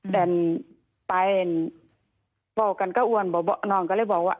แต่ไปบอกกันก็อ้วนน้องก็เลยบอกว่า